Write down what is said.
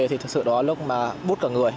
thì thực sự đó lúc mà bút cả người